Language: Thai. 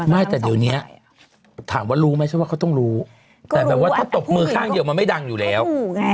ไม่แต่เดี๋ยวนี้ถามว่ารู้ไหมฉันว่าเขาต้องรู้แต่แบบว่าถ้าตบมือข้างเดียวมันไม่ดังอยู่แล้ว